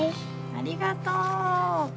ありがとう。